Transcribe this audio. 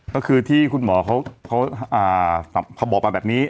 ก็คือที่คุณหมอเขาบอกมาแบบนี้